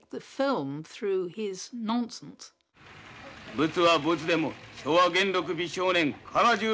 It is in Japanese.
ブツはブツでも昭和元禄美少年唐十郎のでっけえブツだ。